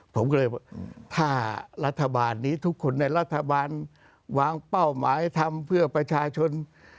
ผมก็เลยถ้ารัฐบาลนี้ทุกคนในรัฐบาลวางเป้าหมายทำเพื่อประชาชน